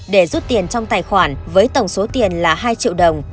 để rút tiền trong tài khoản với tổng số tiền là hai triệu đồng